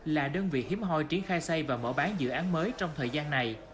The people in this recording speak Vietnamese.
là đơn vị hiếm hoi triển khai xây và mở bán dự án mới trong thời gian này